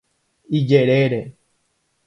Ijerére.